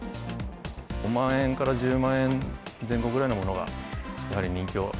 ５万円から１０万円前後ぐらいのものが、やはり人気を。